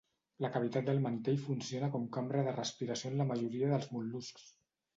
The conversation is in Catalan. La cavitat del mantell funciona com cambra de respiració en la majoria dels mol·luscs.